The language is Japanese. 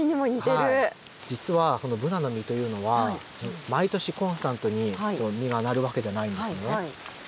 実はこのブナの実というのは毎年コンスタントに実がなるわけじゃないんですよね。